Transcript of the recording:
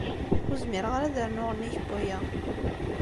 Ur zmireɣ ara ad rnuɣ nnig n waya.